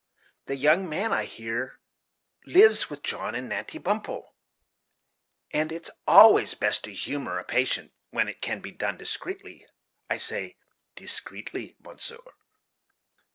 The young man, I hear, lives with John and Natty Bumppo, and it's always best to humor a patient, when it can be done discreetly I say, discreetly, monsieur."